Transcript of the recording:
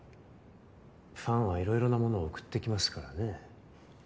ファンは色々なものを贈ってきますからね。